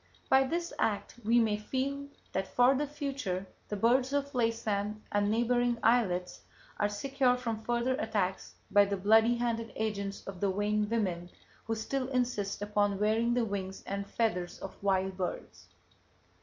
By this act, we may feel that for the future the birds of Laysan and neighboring islets are secure from further attacks by the bloody handed agents of the vain women who still insist upon wearing the wings and feathers of wild birds.